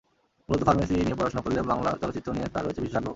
মূলত ফার্মেসি নিয়ে পড়াশোনা করলেও বাংলা চলচ্চিত্র নিয়ে তাঁর রয়েছে বিশেষ আগ্রহ।